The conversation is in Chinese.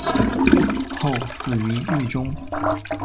后死于狱中。